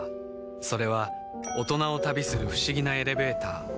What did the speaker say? それは大人を旅する不思議なエレベーター